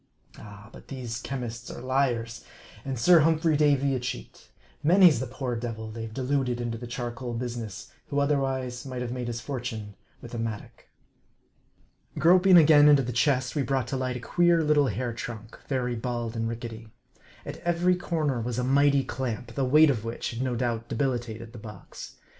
Ah ! but these chemists are liars, and Sir Humphrey Davy a cheat. Many's the poor devil they've deluded into the charcoal business, who otherwise might have made his for tune with a mattock. Groping again into the chest, we brought to light a queer little hair trunk, very bald and rickety. At every corner was a mighty clamp, the weight of which had no doubt debilitated the box.